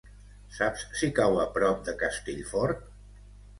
Saps si cau a prop de Castellfort?